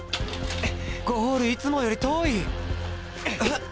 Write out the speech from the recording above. ゴールいつもより遠い！